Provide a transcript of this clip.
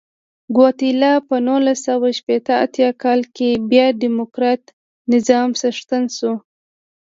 ګواتیلا په نولس سوه شپږ اتیا کال کې بیا ډیموکراتیک نظام څښتنه شوه.